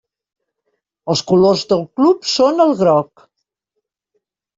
Els colors del club són el groc.